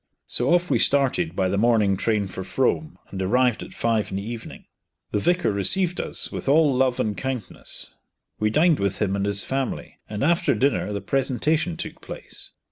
So off we started by the morning train for Frome, and arrived at five in the evening. The vicar received us with all love and kindness. We dined with him and his family, and after dinner the presentation took place.